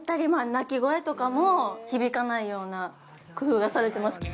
泣き声とかも響かないような工夫がされてます。